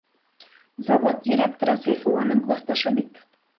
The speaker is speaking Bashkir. Завод директоры Сәйфулланың класташы бит.